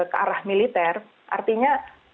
ke arah militer artinya